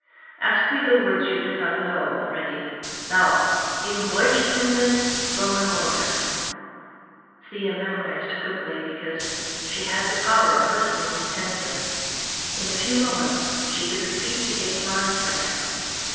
Ask me the words you do not know already. Now: Im leuchtenden Sommermorgen." Thea memorized quickly because she had the power of listening intently. In a few moments she could repeat the eight lines for him.